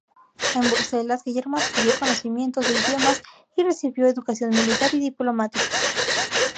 En Bruselas, Guillermo adquirió conocimientos de idiomas y recibió educación militar y diplomática.